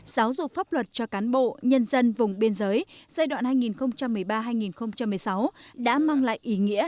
giáo dục pháp luật cho cán bộ nhân dân vùng biên giới giai đoạn hai nghìn một mươi ba hai nghìn một mươi sáu đã mang lại ý nghĩa